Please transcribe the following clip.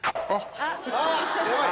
あっヤバい。